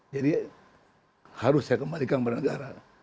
jadi harus saya kembalikan kepada negara